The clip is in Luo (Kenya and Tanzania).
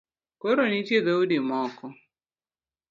Koro nitie dhoudi moko